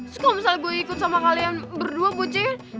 terus kalo misalnya gue ikut sama kalian berdua poncengnya